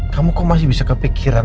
kita kena dikalkan